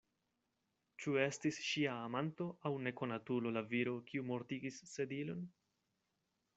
Ĉu estis ŝia amanto aŭ nekonatulo la viro, kiu mortigis Sedilon?